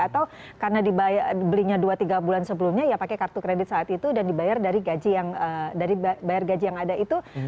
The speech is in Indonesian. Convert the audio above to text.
atau karena dibelinya dua tiga bulan sebelumnya ya pakai kartu kredit saat itu dan dibayar dari gaji yang ada itu